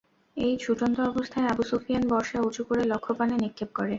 এই ছুটন্ত অবস্থায় আবু সুফিয়ান বর্শা উঁচু করে লক্ষ্যপানে নিক্ষেপ করে।